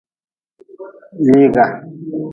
Liiga.